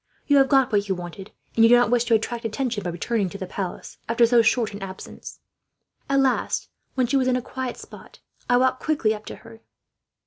'You have got what you wanted, and you do not wish to attract attention, by returning to the palace after so short an absence.' "At last, when she was in a quiet spot, I walked quickly up to her.